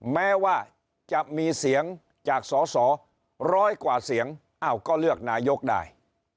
แม้ว่าจะมีเสียงจากสอสอร้อยกว่าเสียงอ้าวก็เลือกนายกได้